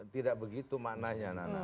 tidak begitu maknanya nana